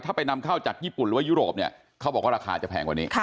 ถ้าไปนำเข้าจากญี่ปุ่นหรือว่ายุโรปเนี่ยเขาบอกว่าราคาจะแพงกว่านี้